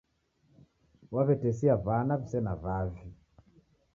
Waw'etesia w'ana wisena wavi